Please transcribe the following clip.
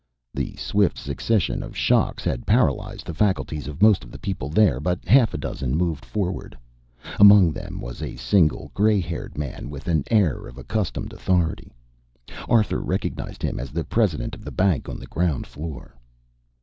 The swift succession of shocks had paralyzed the faculties of most of the people there, but half a dozen moved forward. Among them was a single gray haired man with an air of accustomed authority. Arthur recognized him as the president of the bank on the ground floor.